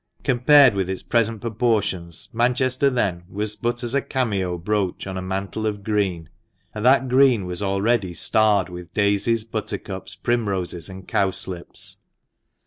Compared with its present proportions, Manchester then was but as a cameo brooch on a mantle of green ; and that green was already starred with daisies, buttercups, primroses, and cowslips.